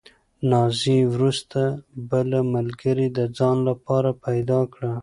نازیې وروسته بله ملګرې د ځان لپاره پیدا کړه.